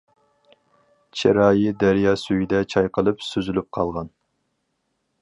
چىرايى دەريا سۈيىدە چايقىلىپ سۈزۈلۈپ قالغان.